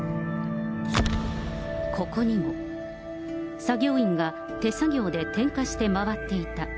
ここにも、作業員が手作業で点火して回っていた。